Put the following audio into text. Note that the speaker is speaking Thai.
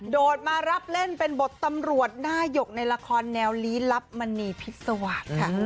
โดดมารับเล่นเป็นบทตำรวจหน้าหยกในละครแนวลี้ลับมณีพิษวาสค่ะ